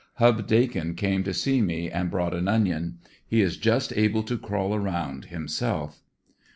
Hub Dakin came to see me and brought an onion. He is just able to crawl around himself.